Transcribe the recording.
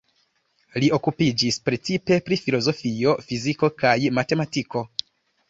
Li okupiĝis precipe pri filozofio, fiziko kaj matematiko.